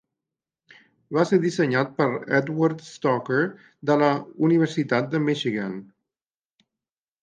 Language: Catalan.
Va ser dissenyat per Edward Stalker, de la Universitat de Michigan.